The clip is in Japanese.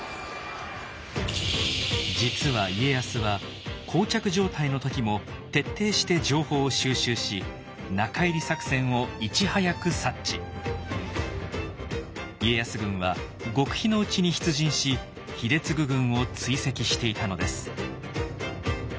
実は家康はこう着状態の時も徹底して情報を収集し家康軍は極秘のうちに出陣し秀次軍を追跡していたのです。